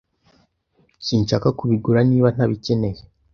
Sinshaka kubigura niba ntabikeneye.